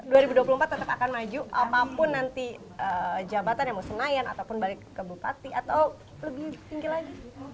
dua ribu dua puluh empat tetap akan maju apapun nanti jabatan yang mau senayan ataupun balik ke bupati atau lebih tinggi lagi